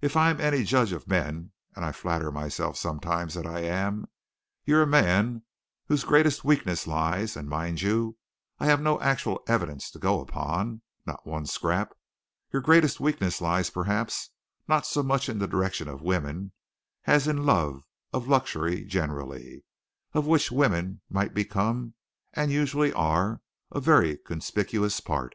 If I'm any judge of men, and I flatter myself sometimes that I am, you're a man whose greatest weakness lies and, mind you, I have no actual evidence to go upon, not one scrap your greatest weakness lies perhaps not so much in the direction of women as in a love of luxury generally, of which women might become, and usually are, a very conspicuous part."